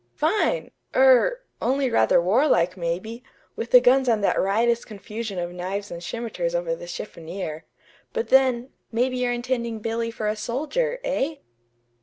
"Fine! er only rather warlike, maybe, with the guns and that riotous confusion of knives and scimitars over the chiffonier. But then, maybe you're intending Billy for a soldier; eh?"